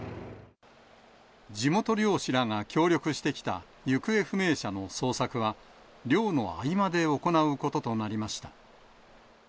地元漁師らが協力してきた行方不明者の捜索は、漁の合間で行うこととなりました。